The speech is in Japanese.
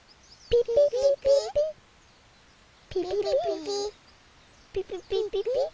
ピピピピピピピピ。